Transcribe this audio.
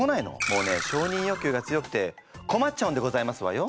もうね承認欲求が強くてこまっちゃうんでございますわよ。